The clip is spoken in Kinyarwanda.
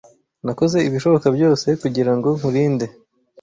Nakoze ibishoboka byose kugirango nkurinde.